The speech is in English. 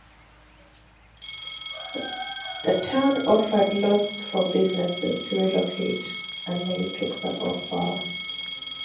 The town offered lots for businesses to relocate, and many took the offer.